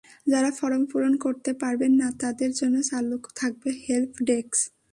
যাঁরা ফরম পূরণ করতে পারবেন না, তাঁদের জন্য চালু থাকবে হেল্প ডেস্ক।